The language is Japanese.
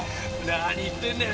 何言ってんだよ。